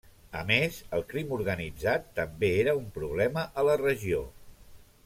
A més, el crim organitzat també era un problema a la regió.